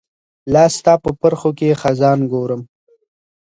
لاستا په پرښوکې خزان ګورم